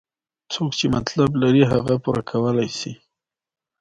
مالداري کورنۍ ته عاید ورکوي.